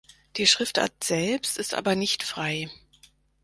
Die Schriftart selbst ist aber nicht frei.